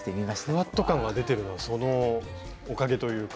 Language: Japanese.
ふわっと感が出てるのはそのおかげというか。